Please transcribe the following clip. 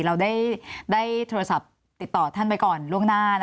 เราได้โทรศัพท์ติดต่อท่านไปก่อนล่วงหน้า